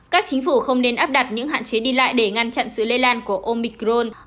các chính phủ không nên áp đặt những hạn chế đi lại để ngăn chặn sự lây lan của omicron